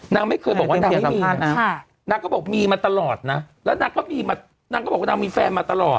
นางไม่เคยบอกว่านางไม่มีนางก็บอกมีมาตลอดนะแล้วนางก็มีมานางก็บอกว่านางมีแฟนมาตลอด